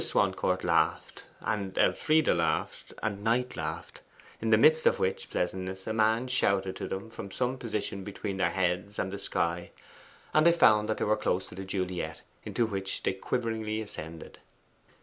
Swancourt laughed, and Elfride laughed, and Knight laughed, in the midst of which pleasantness a man shouted to them from some position between their heads and the sky, and they found they were close to the Juliet, into which they quiveringly ascended.